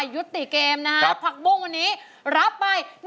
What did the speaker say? ยุติเกมนะฮะผักบุ้งวันนี้รับไป